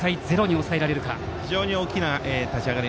非常に大きな立ち上がり